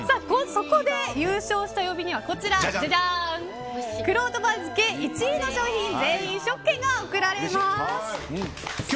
そこで優勝した曜日にはくろうと番付、１位の商品全員試食券が贈られます。